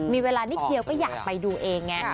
มีเวลานิดเดียวก็อยากไปดูเองไง